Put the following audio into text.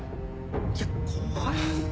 いや怖っ。